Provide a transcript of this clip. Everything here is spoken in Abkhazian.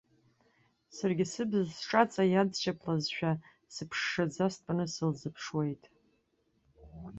Саргьы, сыбз сҿаҵа иадҷаблазшәа, сыԥшшаӡа стәаны сылзыԥшуеит.